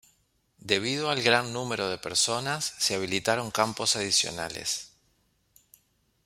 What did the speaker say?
Debido al gran número de personas se habilitaron campos adicionales.